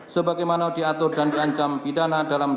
sebagaimana diatur dan diancam pidana dalam